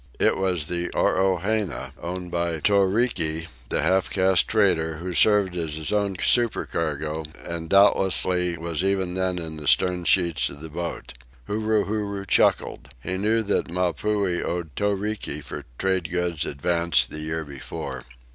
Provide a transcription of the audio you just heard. It was the OROHENA, owned by Toriki, the half caste trader, who served as his own supercargo and who doubtlessly was even then in the stern sheets of the boat. Huru Huru chuckled. He knew that Mapuhi owed Toriki for trade goods advanced the year before.